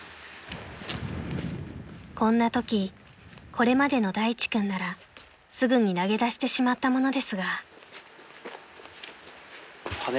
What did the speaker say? ［こんなときこれまでの大地君ならすぐに投げ出してしまったものですが］